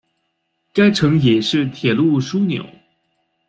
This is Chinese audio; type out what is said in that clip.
该城也是铁路枢纽。